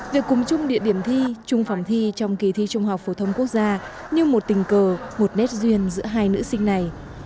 việc cùng chung địa điểm thi chung phòng thi trong kỳ thi trung học phổ thông quốc gia như một tình cờ một nét duyên giữa hai nữ sinh này